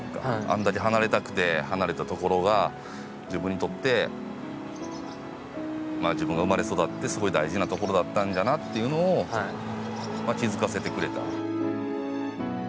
あんだけ離れたくて離れたところが自分にとって自分が生まれ育ってすごい大事なところだったんだなっていうのを気付かせてくれた。